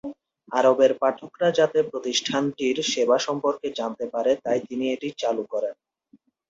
আরবের পাঠকরা যাতে প্রতিষ্ঠানটির সেবা সম্পর্কে জানতে পারে তাই তিনি এটি চালু করেন।